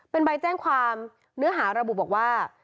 เป็นใบแจ้งความเนื้อหาระบุบอกว่า